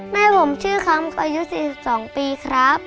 แม่ผมชื่อคำอายุ๔๒ปีครับ